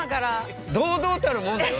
堂々たるもんだよ。